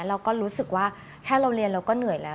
เราก็รู้สึกว่าแค่เราเรียนเราก็เหนื่อยแล้ว